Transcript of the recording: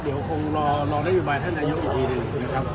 เดี๋ยวคงรอรอได้อยู่ไหว์ท่านนายกอีกทีหนึ่งนะครับ